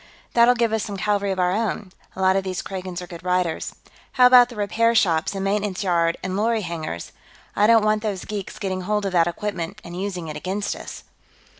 "That'll give us some cavalry of our own; a lot of these Kragans are good riders.... How about the repair shops and maintenance yard and lorry hangars? I don't want these geeks getting hold of that equipment and using it against us."